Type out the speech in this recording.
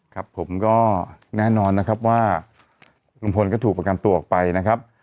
ครับผมก็แน่นอนนะครับว่าลุงพลก็ถูกประกันตัวออกไปนะครับ